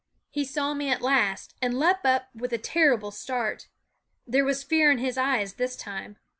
He saw me at last, and leaped up with a ter rible start. There was fear in his eyes this time.